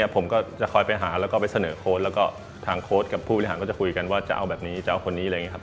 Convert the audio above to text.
ผมก็จะคอยไปหาแล้วก็ไปเสนอโค้ดแล้วก็ทางโค้ดกับผู้บริหารก็จะคุยกันว่าจะเอาแบบนี้จะเอาคนนี้อะไรอย่างนี้ครับ